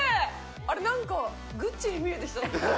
あれなんか、ＧＵＣＣＩに見えてきた。